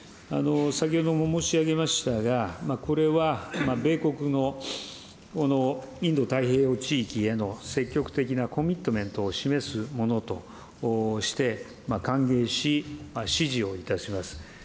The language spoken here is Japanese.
先ほども申し上げましたが、これは米国のインド太平洋地域への積極的なコミットメントを示すものとして歓迎し、支持をいたします。